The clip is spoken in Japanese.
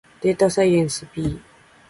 データサイエンス B